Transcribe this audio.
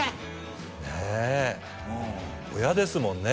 ねえ親ですもんね